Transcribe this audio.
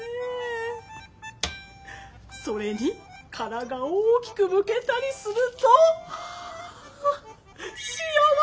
それに殻が大きくむけたりするとあ幸せ。